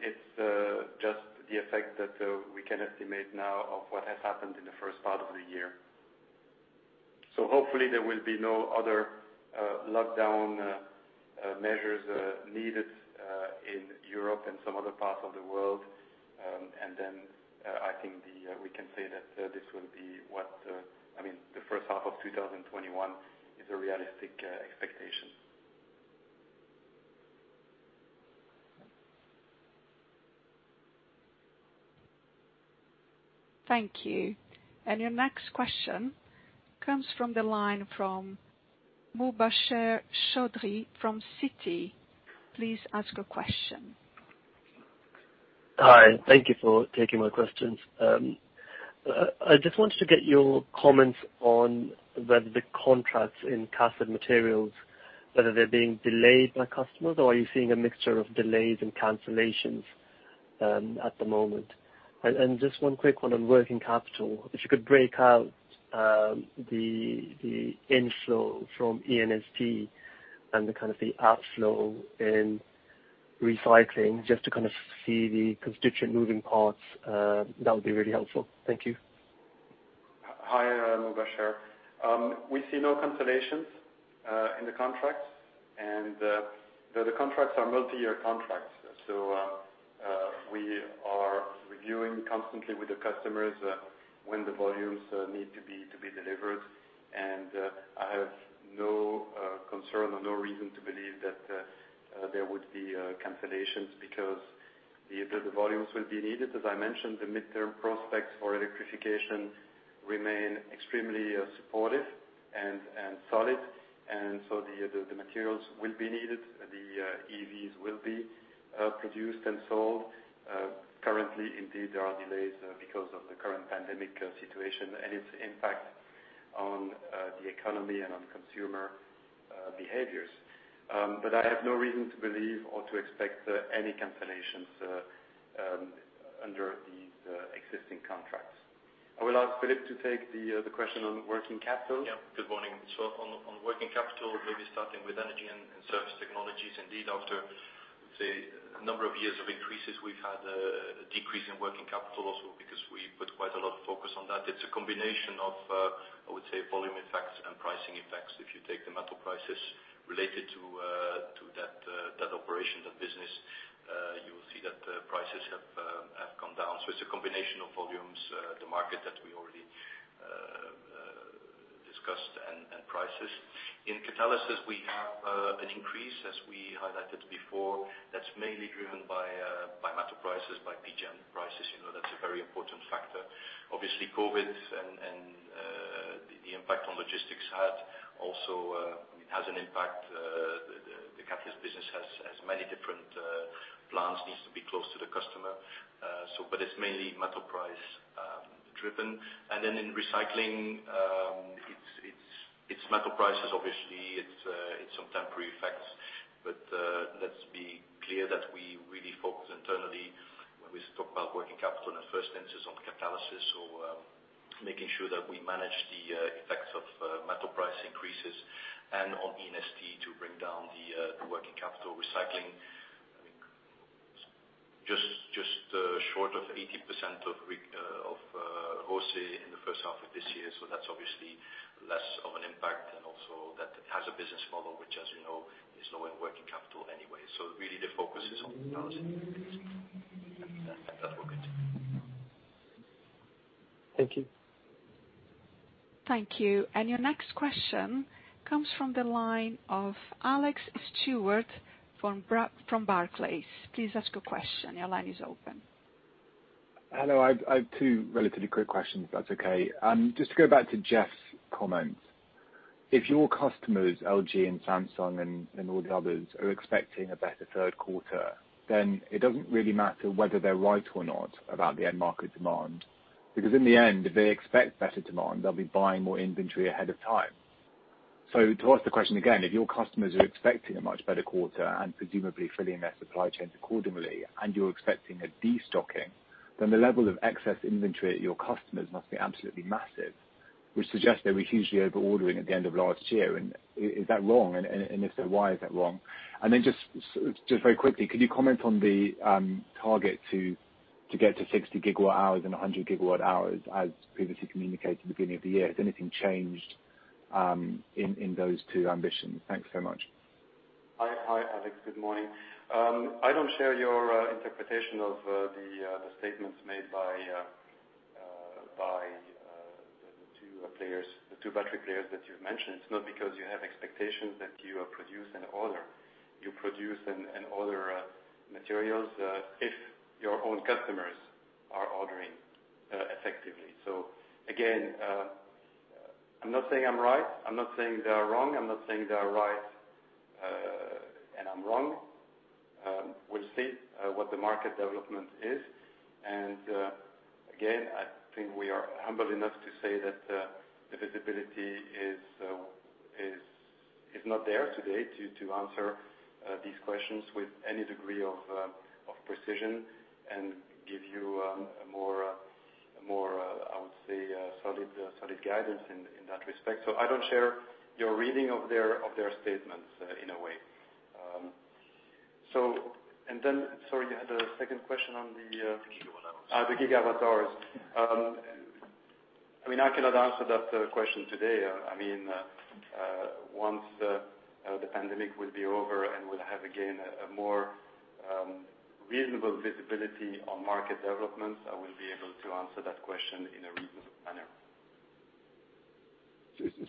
It's just the effect that we can estimate now of what has happened in the first part of the year. Hopefully, there will be no other lockdown measures needed in Europe and some other parts of the world. I think we can say that this will be the first half of 2021 is a realistic expectation. Thank you. Your next question comes from the line from Mubasher Chaudhry from Citi. Please ask your question. Hi. Thank you for taking my questions. I just wanted to get your comments on whether the contracts in cathode materials, whether they're being delayed by customers, or are you seeing a mixture of delays and cancellations at the moment? Just one quick one on working capital. If you could break out the inflow from E&ST and the outflow in Recycling, just to kind of see the constituent moving parts, that would be really helpful. Thank you. Hi, Mubasher. We see no cancellations in the contracts. The contracts are multi-year contracts, so we are reviewing constantly with the customers when the volumes need to be delivered. I have no concern or no reason to believe that there would be cancellations because the volumes will be needed. As I mentioned, the midterm prospects for electrification remain extremely supportive and solid, and so the materials will be needed. The EVs will be produced and sold. Currently, indeed, there are delays because of the current pandemic situation and its impact on the economy and on consumer behaviors. I have no reason to believe or to expect any cancellations under these existing contracts. I will ask Filip to take the question on working capital. Yeah. Good morning. On working capital, maybe starting with Energy & Surface Technologies, indeed, after, say, a number of years of increases, we've had a decrease in working capital also because we put quite a lot of focus on that. It's a combination of, I would say, volume effects and pricing effects. If you take the metal prices related to that operation, that business, you will see that prices have come down. It's a combination of volumes, the market that we already discussed and prices. In Catalysis, we have an increase, as we highlighted before, that's mainly driven by metal prices, by PGM prices. That's a very important factor. Obviously, COVID-19 and the impact on logistics, it has an impact. The catalyst business has many different plants, needs to be close to the customer. It's mainly metal price driven. In Recycling, it's metal prices, obviously. It's some temporary effects. Let's be clear that we really focus internally when we talk about working capital and the first emphasis on Catalysis or making sure that we manage the effects of metal price increases and on E&ST to bring down the working capital Recycling. I think just short of 80% of ROCE in the first half of this year. That's obviously less of an impact. That has a business model, which as you know, is lower in working capital anyway. Really the focus is on and that's all good. Thank you. Thank you. Your next question comes from the line of Alex Stewart from Barclays. Please ask your question. Your line is open. Hello. I have two relatively quick questions, if that's okay. Just to go back to Geoff's comments. If your customers, LG and Samsung and all the others, are expecting a better third quarter, then it doesn't really matter whether they're right or not about the end market demand. Because in the end, if they expect better demand, they'll be buying more inventory ahead of time. To ask the question again, if your customers are expecting a much better quarter and presumably filling their supply chains accordingly, and you're expecting a de-stocking, then the level of excess inventory at your customers must be absolutely massive, which suggests they were hugely over-ordering at the end of last year. Is that wrong? If so, why is that wrong. Just very quickly, could you comment on the target to get to 60 GWh and 100 GWh, as previously communicated at the beginning of the year? Has anything changed in those two ambitions? Thanks so much. Hi, Alex. Good morning. I don't share your interpretation of the statements made by the two battery players that you've mentioned. It's not because you have expectations that you produce and order. You produce and order materials, if your own customers are ordering effectively. Again, I'm not saying I'm right. I'm not saying they are wrong. I'm not saying they are right and I'm wrong. We'll see what the market development is. Again, I think we are humble enough to say that the visibility is not there today to answer these questions with any degree of precision and give you a more, I would say, solid guidance in that respect. I don't share your reading of their statements in a way. Then, sorry, you had a second question on the- Gigawatt hours. The gigawatt hours. I cannot answer that question today. Once the pandemic will be over and we'll have, again, a more reasonable visibility on market developments, I will be able to answer that question in a reasonable manner.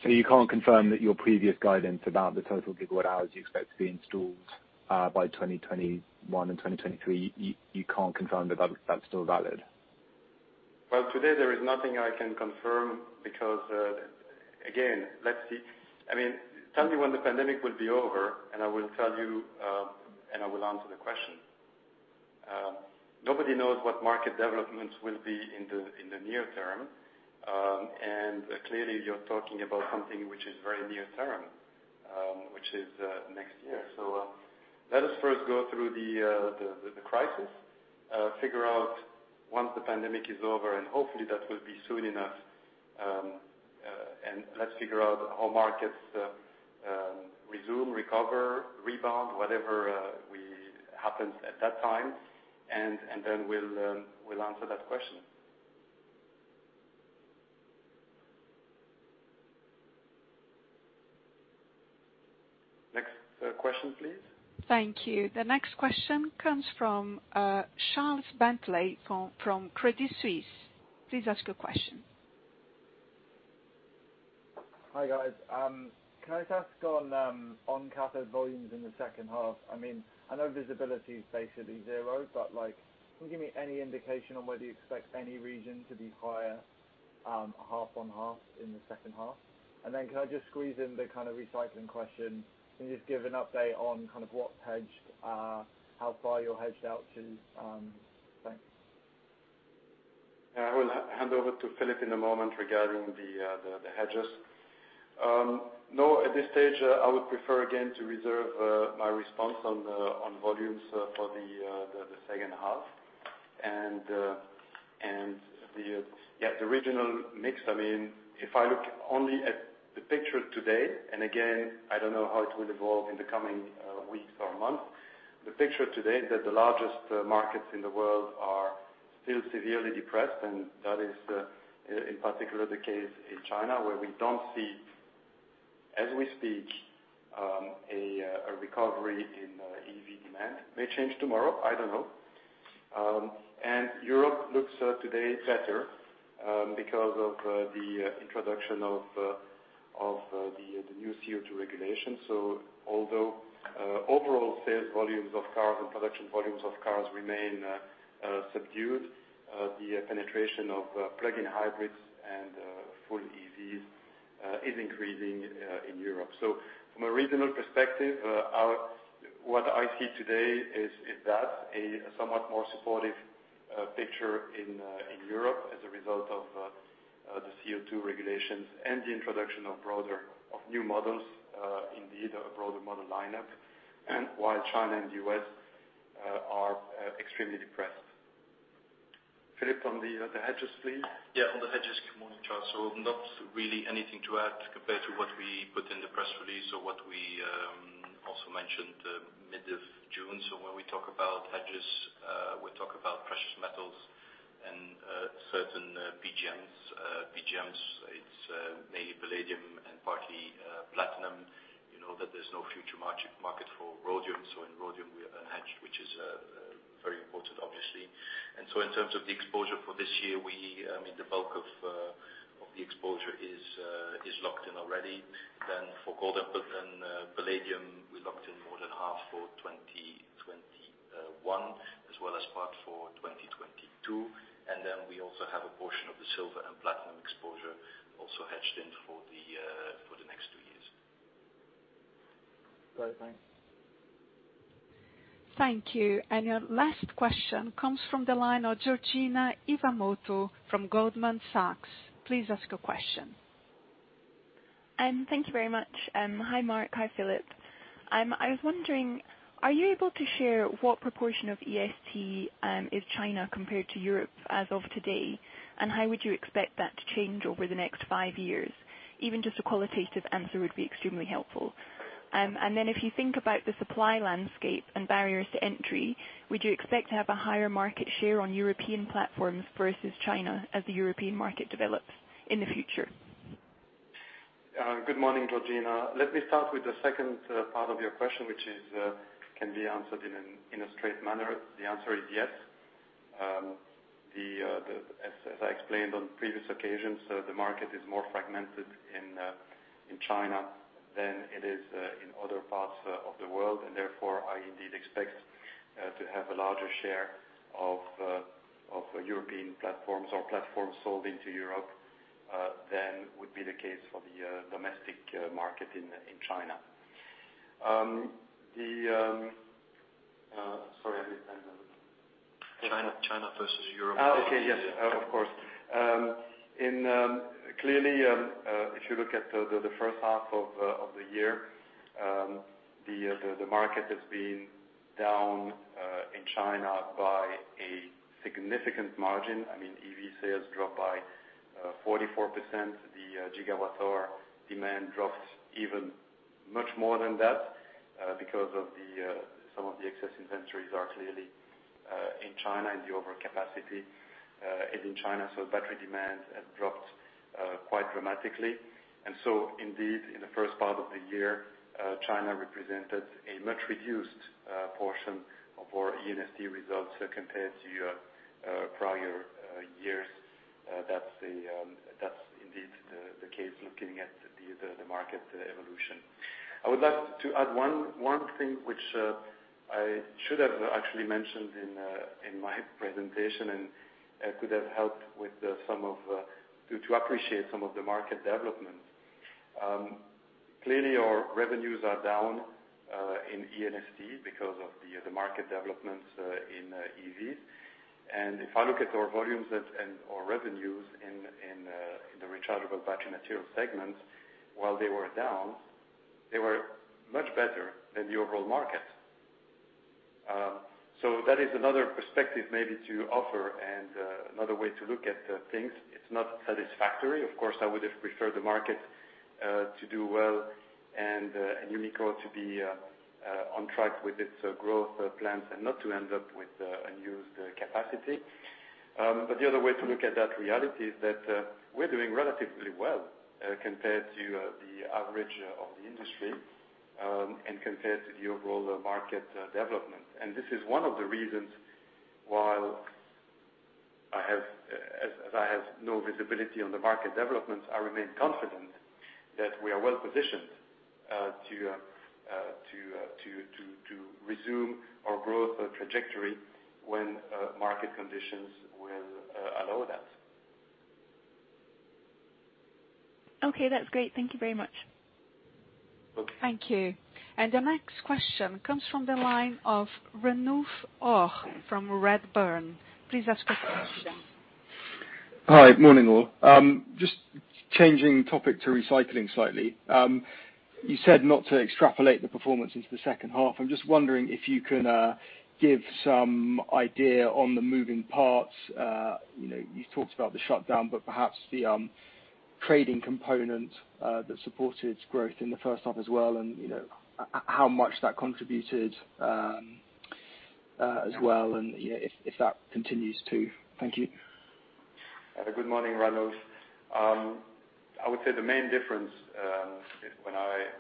You can't confirm that your previous guidance about the total gigawatt hours you expect to be installed by 2021 and 2023, you can't confirm that that's still valid? Well, today, there is nothing I can confirm because, again, let's see. Tell me when the pandemic will be over, and I will tell you, and I will answer the question. Nobody knows what market developments will be in the near term. Clearly, you're talking about something which is very near term, which is next year. Let us first go through the crisis, figure out once the pandemic is over, and hopefully, that will be soon enough. Let's figure out how markets resume, recover, rebound, whatever happens at that time, then we'll answer that question. Next question, please. Thank you. The next question comes from Charles Bentley from Credit Suisse. Please ask your question. Hi, guys. Can I just ask on cathode volumes in the second half? I know visibility is basically zero, but can you give me any indication on whether you expect any region to be higher half on half in the second half? Can I just squeeze in the kind of recycling question? Can you just give an update on what's hedged, how far you're hedged out to? Thanks. I will hand over to Filip in a moment regarding the hedges. No, at this stage, I would prefer, again, to reserve my response on volumes for the second half. The original mix, if I look only at the picture today, and again, I don't know how it will evolve in the coming weeks or months. The picture today that the largest markets in the world are still severely depressed, and that is, in particular, the case in China, where we don't see As we speak, a recovery in EV demand. May change tomorrow, I don't know. Europe looks today better because of the introduction of the new CO2 regulation. Although overall sales volumes of cars and production volumes of cars remain subdued, the penetration of plug-in hybrids and full EVs is increasing in Europe. From a regional perspective, what I see today is that a somewhat more supportive picture in Europe as a result of the CO2 regulations and the introduction of new models, indeed, a broader model lineup. While China and the U.S. are extremely depressed. Filip, on the hedges, please. Yeah, on the hedges. Good morning, Charles. Not really anything to add compared to what we put in the press release or what we also mentioned mid of June. When we talk about hedges, we talk about precious metals and certain PGMs. PGMs, it's mainly palladium and partly platinum. You know that there's no future market for rhodium, so in rhodium we are unhedged, which is very important, obviously. In terms of the exposure for this year, the bulk of the exposure is locked in already. For gold and palladium, we locked in more than half for 2021, as well as part for 2022. We also have a portion of the silver and platinum exposure also hedged in for the next two years. Great. Thanks. Thank you. Your last question comes from the line of Georgina Iwamoto from Goldman Sachs. Please ask your question. Thank you very much. Hi, Marc. Hi, Filip. I was wondering, are you able to share what proportion of E&ST is China compared to Europe as of today? How would you expect that to change over the next five years? Even just a qualitative answer would be extremely helpful. If you think about the supply landscape and barriers to entry, would you expect to have a higher market share on European platforms versus China as the European market develops in the future? Good morning, Georgina. Let me start with the second part of your question, which can be answered in a straight manner. The answer is yes. As I explained on previous occasions, the market is more fragmented in China than it is in other parts of the world. Therefore, I indeed expect to have a larger share of European platforms or platforms sold into Europe than would be the case for the domestic market in China. Sorry, I missed the end of it. China versus Europe. Okay, yes. Of course. Clearly, if you look at the first half of the year, the market has been down in China by a significant margin. EV sales dropped by 44%. The gigawatt hour demand dropped even much more than that because some of the excess inventories are clearly in China and the overcapacity is in China. Battery demand has dropped quite dramatically. Indeed, in the first part of the year, China represented a much reduced portion of our E&ST results compared to prior years. That's indeed the case looking at the market evolution. I would like to add one thing which I should have actually mentioned in my presentation, and could have helped to appreciate some of the market developments. Clearly, our revenues are down in E&ST because of the market developments in EVs. If I look at our volumes and our revenues in the Rechargeable Battery Materials segments, while they were down, they were much better than the overall market. That is another perspective maybe to offer and another way to look at things. It's not satisfactory. Of course, I would have preferred the market to do well and Umicore to be on track with its growth plans and not to end up with unused capacity. The other way to look at that reality is that we're doing relatively well compared to the average of the industry and compared to the overall market development. This is one of the reasons why, as I have no visibility on the market developments, I remain confident that we are well positioned to resume our growth trajectory when market conditions will allow that. Okay, that's great. Thank you very much. Okay. Thank you. The next question comes from the line of Ranulf Orr from Redburn. Please ask your question. Hi. Morning, all. Just changing topic to recycling slightly. You said not to extrapolate the performance into the second half. I'm just wondering if you can give some idea on the moving parts. You talked about the shutdown, but perhaps the trading component that supported growth in the first half as well, and how much that contributed as well and if that continues too. Thank you. Good morning, Ranulf. I would say the main difference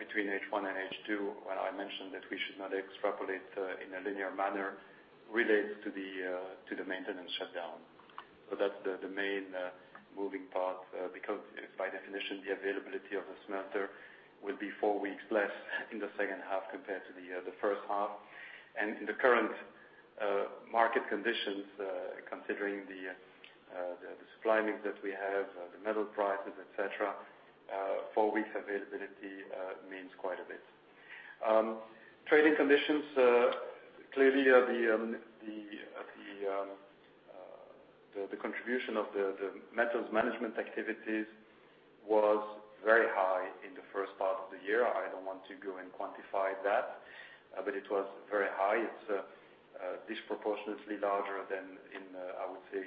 between H1 and H2, when I mentioned that we should not extrapolate in a linear manner, relates to the maintenance shutdown. That's the main moving part because by definition, the availability of the smelter will be four weeks less in the second half compared to the first half. In the current market conditions, considering the supply mix that we have, the metal prices, et cetera, four weeks availability means quite a bit. Trading conditions, clearly the contribution of the Precious Metals Management activities was very high in the first part of the year. I don't want to go and quantify that, but it was very high. It's disproportionately larger than in, I would say,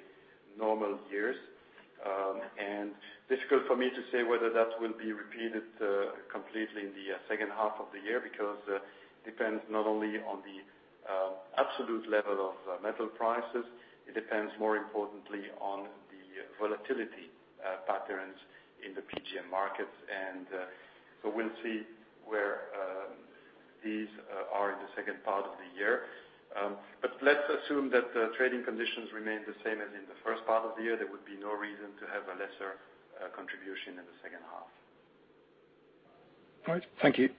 normal years. Difficult for me to say whether that will be repeated completely in the second half of the year, because it depends not only on the absolute level of metal prices, it depends more importantly on the volatility patterns in the PGM markets. We'll see where these are in the second part of the year. Let's assume that the trading conditions remain the same as in the first part of the year. There would be no reason to have a lesser contribution in the second half. All right. Thank you.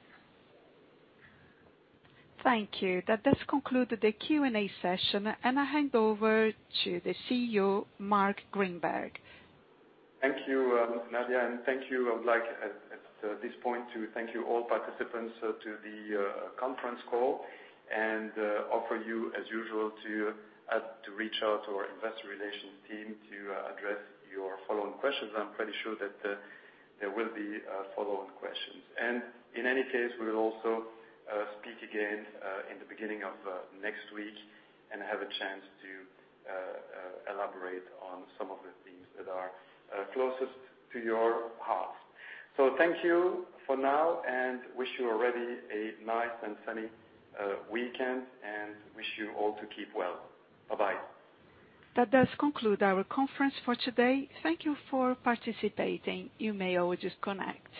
Thank you. That does conclude the Q&A session. I hand over to the CEO, Marc Grynberg. Thank you, Nadia. And thank you. I would like at this point to thank you all participants to the conference call and offer you, as usual, to reach out to our investor relations team to address your follow-on questions. I'm pretty sure that there will be follow-on questions. In any case, we will also speak again in the beginning of next week and have a chance to elaborate on some of the things that are closest to your heart. Thank you for now and wish you already a nice and sunny weekend and wish you all to keep well. Bye-bye. That does conclude our conference for today. Thank you for participating. You may all disconnect.